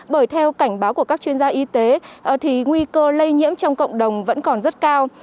bởi theo cảnh báo của các chuyên gia y tế thì nguy cơ lây nhiễm trong cộng đồng vẫn còn rất cao